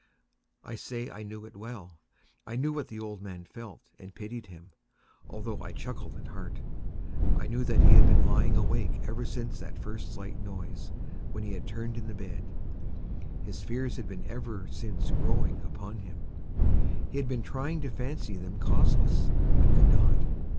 I say I knew it well. I knew what the old man felt, and pitied him, although I chuckled at heart. I knew that he had been lying awake ever since the first slight noise, when he had turned in the bed. His fears had been ever since growing upon him. He had been trying to fancy them causeless, but could not.